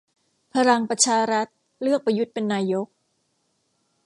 พลังประชารัฐเลือกประยุทธเป็นนายก